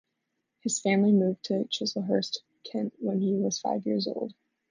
His family moved to Chislehurst, Kent when he was five years old.